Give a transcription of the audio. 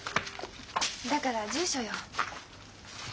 だから住所よ。